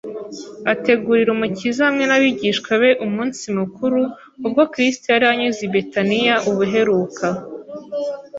ategurira Umukiza hamwe n'abigishwa be umunsi mukuru ubwo Kristo yari anyuze i Betaniya ubuheruka.